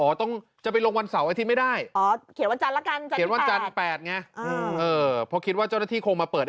ก็เลยเขียนระบุวันที่๘ไว้